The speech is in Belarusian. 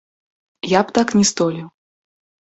Я б так не здолеў.